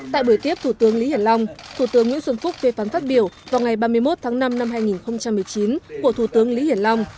tại buổi tiếp thủ tướng lý hiển long thủ tướng nguyễn xuân phúc phê phán phát biểu vào ngày ba mươi một tháng năm năm hai nghìn một mươi chín của thủ tướng lý hiển long